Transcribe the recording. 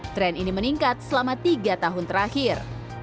tren ini meningkat selama tiga tahun terakhir